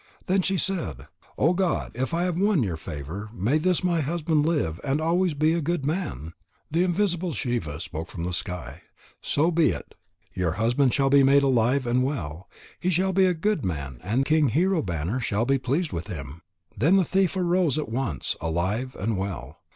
Then she said: "O god, if I have won your favour, may this my husband live and always be a good man." The invisible Shiva spoke from the sky: "So be it. Your husband shall be made alive and well. He shall be a good man, and King Hero banner shall be pleased with him." Then the thief arose at once, alive and well.